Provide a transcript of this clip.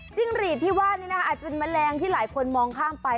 หรีดที่ว่านี่นะคะอาจจะเป็นแมลงที่หลายคนมองข้ามไป